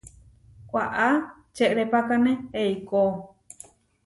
Waʼá čerepákane eikó.